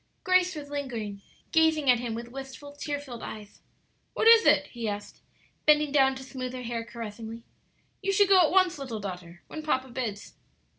Grace was lingering, gazing at him with wistful, tear filled eves. "What is it?" he asked, bending down to smooth her hair caressingly. "You should go at once, little daughter, when papa bids."